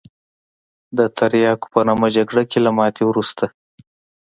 د تریاکو په نامه جګړه کې له ماتې وروسته.